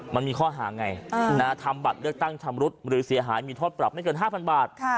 มันมีข้อหาไงทำบัตรเลือกตั้งชำรุดหรือเสียหายมีโทษปรับไม่เกิน๕๐๐บาท